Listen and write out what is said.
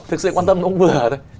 thực sự quan tâm nó cũng vừa thôi